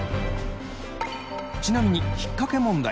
ちなみにひっかけ問題。